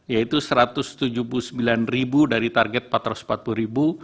yaitu satu ratus tujuh puluh sembilan ribu dari target empat ratus empat puluh ribu